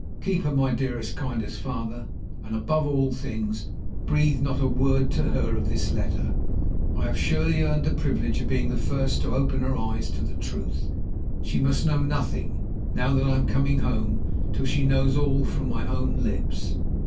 Keep her, my dearest, kindest father and, above all things, breathe not a word to her of this letter. I have surely earned the privilege of being the first to open her eyes to the truth. She must know nothing, now that I am coming home, till she knows all from my own lips."